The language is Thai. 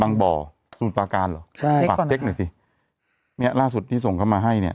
บางบ่าซูนประการใช่แม็กซ์หน่อยสิเนี้ยล่าสุดนี้ส่งเข้ามาให้เนี้ย